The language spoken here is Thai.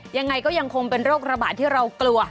ยังไงก็ยังคงเป็นโรคระบาดที่เรากลัว